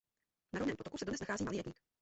Na Rovném potoku se dodnes nachází malý rybník.